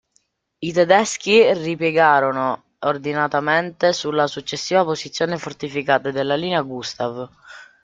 I tedeschi ripiegarono ordinatamente sulla successiva posizione fortificata della Linea Gustav.